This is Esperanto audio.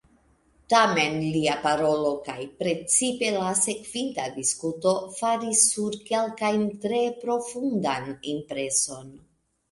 Tamen lia parolo, kaj precipe la sekvinta diskuto, faris sur kelkajn tre profundan impreson.